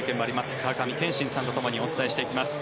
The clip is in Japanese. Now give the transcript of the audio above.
川上憲伸さんとともにお伝えしていきます。